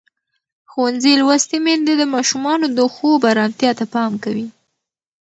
ښوونځې لوستې میندې د ماشومانو د خوب ارامتیا ته پام کوي.